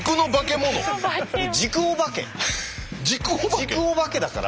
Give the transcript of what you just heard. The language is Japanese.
軸おばけだから。